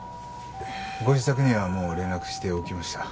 ご自宅にはもう連絡しておきました。